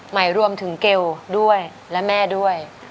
หมายรวมถึงเกลด้วยและแม่ด้วย